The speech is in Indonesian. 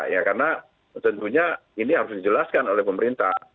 ya karena tentunya ini harus dijelaskan oleh pemerintah